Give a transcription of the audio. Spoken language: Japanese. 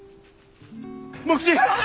茂吉！